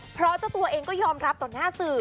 เพราะเจ้าตัวเองก็ยอมรับต่อหน้าสื่อ